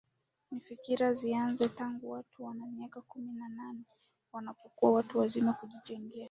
ni fikira zianze tangu watu wana miaka kumi na nane wanapokuwa watu wazima kujijengea